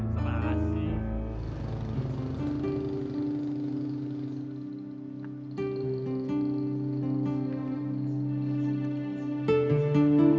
bawa bawa kesana